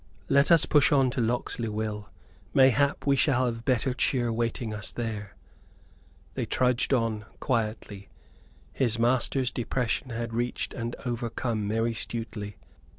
"Let us push on to Locksley, Will; mayhap we shall have better cheer waiting us there!" They trudged on quietly. His master's depression had reached and overcome merry Stuteley.